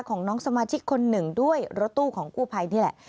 ของน้องสมาชิกคนหนึ่งด้วยรถตู้ของกู้ภัยนี่แหละ